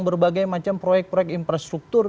berbagai macam proyek proyek infrastruktur